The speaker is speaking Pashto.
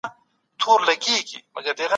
کمپيوټر لوبغاړی روزي.